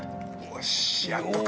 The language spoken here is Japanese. よし！）